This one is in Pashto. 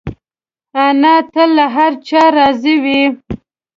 انا تل له هر چا راضي وي